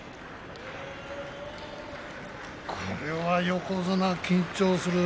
これは横綱緊張する。